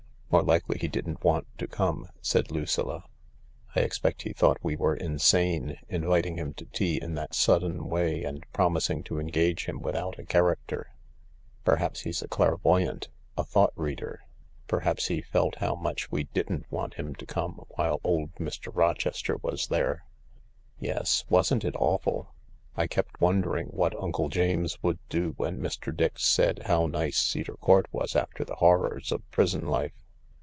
" More likely he didn't want to come," said Lucilla. " I expect he thought we were insane — inviting him to tea in that sudden way and promising to engage him without a character." " Perhaps he's a clairvoyant, a thought reader ; perhaps he felt how much we didn't want him to come while old Mr. Rochester was there." "Yes — wasn't it awful ! I kept wondering what Uncle James would do when Mr. Dix said how nice Cedar Court was after the horrors of prison life.